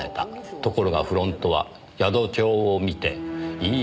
「ところがフロントは宿帳を見ていいえ